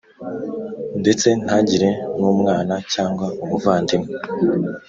Ndetse ntagire n umwana cyangwa umuvandimwe